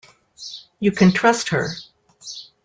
You can trust her.